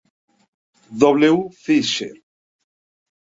W. Fischer.